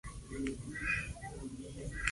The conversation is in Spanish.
Y al occidente, con San Felipe.